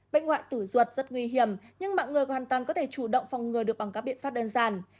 bệnh hoại tử ruột rất nguy hiểm nhưng mọi người hoàn toàn có thể chủ động phòng ngừa được bằng các biện pháp đơn giản